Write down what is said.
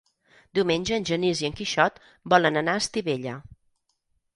Diumenge en Genís i en Quixot volen anar a Estivella.